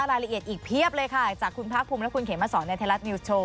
รายละเอียดอีกเพียบเลยค่ะจากคุณภาคภูมิและคุณเขมสอนในไทยรัฐนิวสโว